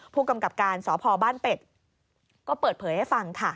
ผู้กำกับการสพบ้านเป็ดก็เปิดเผยให้ฟังค่ะ